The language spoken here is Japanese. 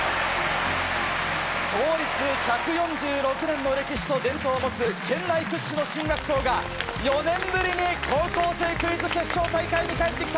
創立１４６年の歴史と伝統を持つ県内屈指の進学校が４年ぶりに『高校生クイズ』決勝大会に帰って来た。